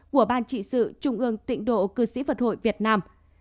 của ban trị sự trung ương tịnh độ cư sĩ vật hội việt nam